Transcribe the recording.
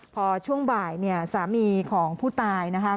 พอช่วงบ่ายเนี่ยสามีของผู้ตายนะคะ